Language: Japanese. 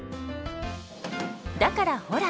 だからほら！